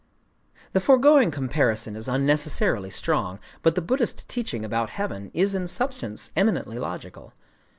The foregoing comparison is unnecessarily strong; but the Buddhist teaching about heaven is in substance eminently logical.